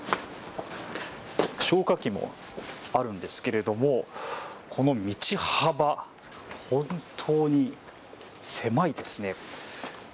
消火器もあるんですけれどもこの道幅、本当に狭いですね。